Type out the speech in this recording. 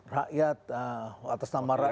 rakyat atas nama rakyat